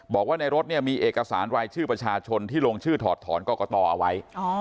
บอกว่าในรถเนี่ยมีเอกสารรายชื่อประชาชนที่ลงชื่อถอดถอนกรกตเอาไว้